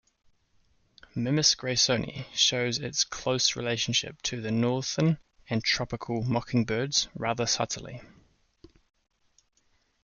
"Mimus graysoni" shows its close relationship to the northern and tropical mockingbirds rather subtly.